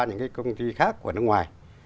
những cái công ty khác của nước ngoài